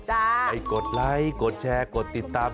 ไปกดไลค์กดแชร์กดติดตาม